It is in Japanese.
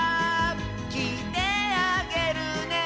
「きいてあげるね」